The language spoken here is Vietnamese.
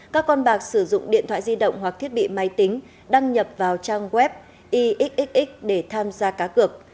các con bạc sử dụng điện thoại di động hoặc thiết bị máy tính đăng nhập vào trang web ixx để tham gia cá cược